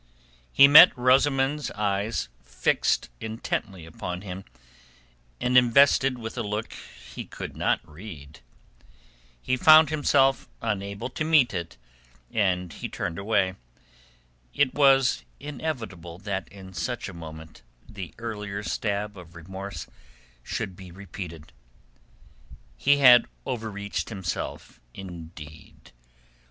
He met Rosamund's eyes fixed intently upon him, and invested with a look he could not read. He found himself unable to meet it, and he turned away. It was inevitable that in such a moment the earlier stab of remorse should be repeated. He had overreached himself indeed.